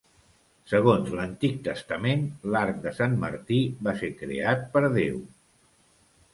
Segons l'Antic Testament, l'arc de Sant Martí va ser creat per Déu.